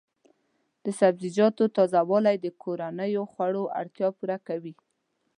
د سبزیجاتو تازه والي د کورنیو خوړو اړتیا پوره کوي.